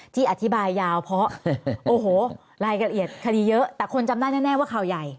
ที่อธิบายยาวเพราะโอ้โหรายละเอียดคดีเยอะแต่คนจำได้แน่ว่าข่าวใหญ่